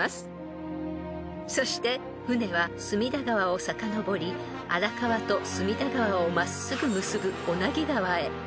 ［そして舟は隅田川をさかのぼり荒川と隅田川を真っすぐ結ぶ小名木川へ］